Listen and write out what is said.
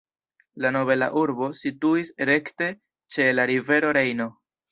La nobela urbo situis rekte ĉe la rivero Rejno.